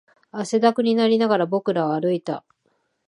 汗だくになりながら、僕らは歩いた